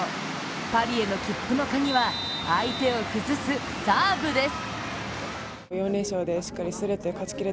パリへの切符の鍵は相手を崩すサーブです。